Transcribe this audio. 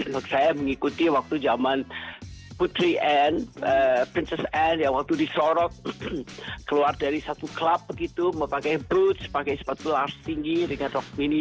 nah saya mengikuti waktu zaman putri anne princess anne yang waktu disorot keluar dari satu klub begitu memakai boots pakai sepatu ars tinggi ringan rok mini